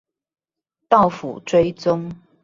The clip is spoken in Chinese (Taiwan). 到府追蹤